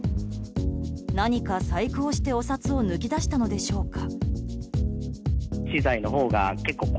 何か細工をしてお札を抜き出したのでしょうか。